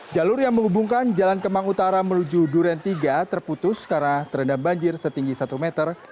jalur yang menghubungkan jalan kemang utara menuju duren tiga terputus karena terendam banjir setinggi satu meter